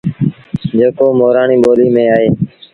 جيڪو مورآڻي ٻوليٚ ميݩ اهي